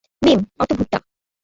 মিম অর্থ ভুট্টা।